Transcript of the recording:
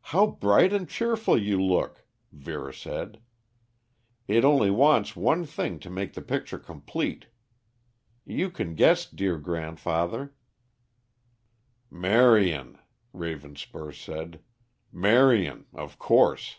"How bright and cheerful you look," Vera said. "It only wants one thing to make the picture complete. You can guess, dear grandfather." "Marion," Ravenspur said. "Marion, of course."